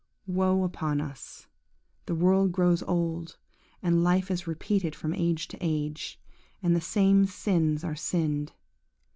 Woe upon us! The world grows old, and life is repeated from age to age, and the same sins are sinned.